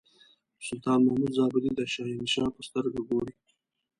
سلطان محمود زابلي د شهنشاه په سترګه ګوري.